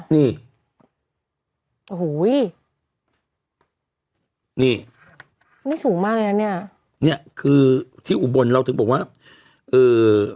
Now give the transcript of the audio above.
นี่โอ้โหนี่นี่สูงมากเลยนะเนี่ยคือที่อุบลเราถึงบอกว่าเอ่อ